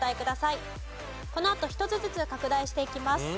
このあと一つずつ拡大していきます。